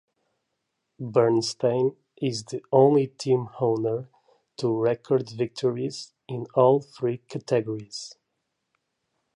Bernstein is the only team owner to record victories in all three categories.